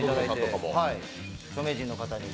著名人の方にも。